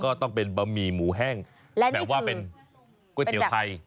ก็ต้องเป็นบะหมี่หมูแห้งแบบว่าเป็นก๋วยเตี๋ยวไทย